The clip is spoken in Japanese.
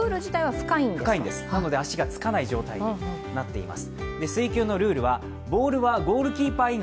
深いんです、なので足がつかない状態になっています。